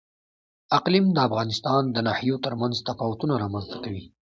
اقلیم د افغانستان د ناحیو ترمنځ تفاوتونه رامنځ ته کوي.